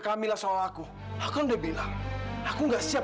cobalah beberapa saat lagi